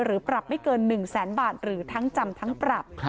ปรับไม่เกิน๑แสนบาทหรือทั้งจำทั้งปรับ